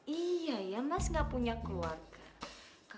iya ya mas gak punya keluarga